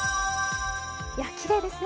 きれいですね。